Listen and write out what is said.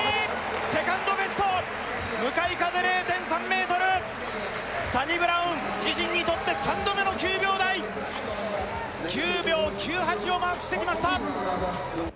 セカンドベスト向かい風０．３ｍサニブラウン自身にとって３度目の９秒台９秒９８をマークしてきました